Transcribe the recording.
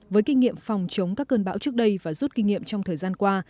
với kinh nghiệm phòng chống các cơn bão trước đây và rút kinh nghiệm trong thời gian qua